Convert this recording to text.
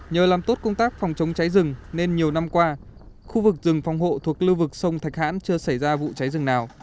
nhờ làm tốt công tác phòng chống cháy rừng nên nhiều năm qua khu vực rừng phòng hộ thuộc lưu vực sông thạch hãn chưa xảy ra vụ cháy rừng nào